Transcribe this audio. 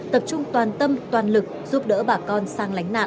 tập trung toàn tâm toàn lực giúp đỡ bà con sang lánh nạn